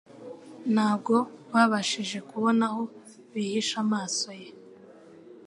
Ntabwo babashije kubona aho bihisha amaso ye.